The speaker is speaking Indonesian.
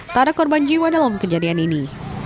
tak ada korban jiwa dalam kejadian ini